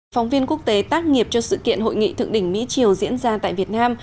phóng viên quốc tế tác nghiệp cho sự kiện hội nghị thượng đỉnh mỹ triều diễn ra tại việt nam